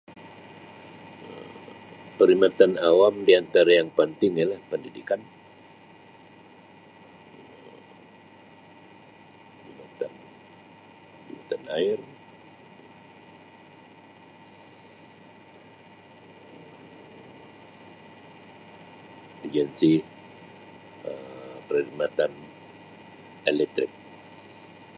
Perkhidmatan awam di antara yang penting ialah pendidikan Um jabatan jabatan air Um agensi Um perkhidmatan elektrik.